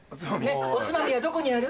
おつまみはどこにある？